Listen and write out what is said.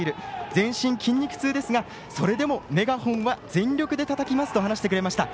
全身筋肉痛ですがそれでもメガホンは全力でたたきますと話してくれました。